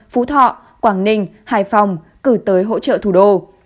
phú thọ quảng ninh hải phòng cử tới hỗ trợ thủ đô